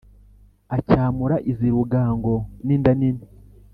acyamura izi rugango ninda nini